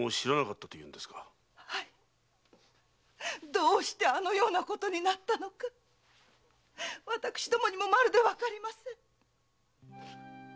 どうしてあのようなことになったのか私どもにもまるでわかりません！